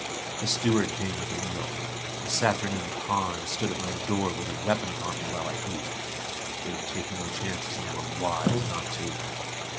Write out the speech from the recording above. A steward came with a meal. The saturnine Hahn stood at my door with a weapon upon me while I ate. They were taking no chances and they were wise not to.